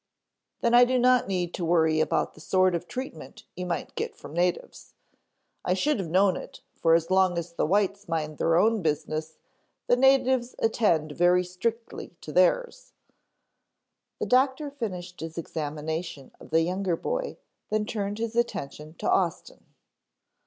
"Then I do not need to worry about the sort of treatment you might get from natives. I should have known it, for as long as the whites mind their own business, the natives attend very strictly to theirs." The doctor finished his examination of the younger boy, then turned his attention to Austin.